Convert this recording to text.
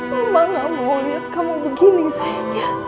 mama gak mau liat kamu begini sayang ya